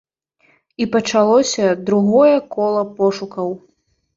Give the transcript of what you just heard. І пачалося другое кола пошукаў.